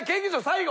最後。